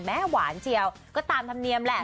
หวานเจียวก็ตามธรรมเนียมแหละ